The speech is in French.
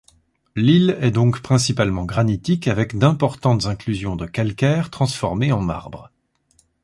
L'île est donc principalement granitique, avec d'importantes inclusions de calcaire transformé en marbre.